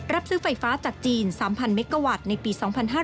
รับซื้อไฟฟ้าจากจีน๓๐๐เมกะวัตต์ในปี๒๕๕๙